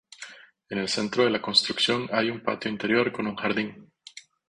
En el centro de la construcción hay un patio interior con un jardín.